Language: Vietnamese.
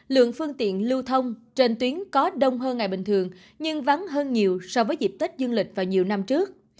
lượng phương tiện lưu thông trên tuyến có đông hơn ngày bình thường nhưng vắng hơn nhiều so với dịp tết dương lịch vào nhiều năm trước